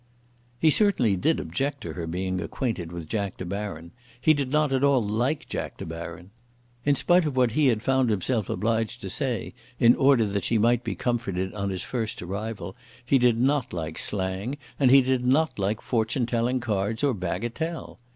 He certainly did object to her being acquainted with Jack De Baron. He did not at all like Jack De Baron. In spite of what he had found himself obliged to say, in order that she might be comforted on his first arrival, he did not like slang, and he did not like fortune telling cards or bagatelle.